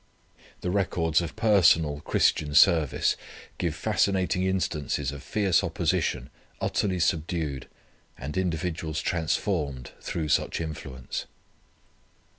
The records of personal Christian service give fascinating instances of fierce opposition utterly subdued and individuals transformed through such influence.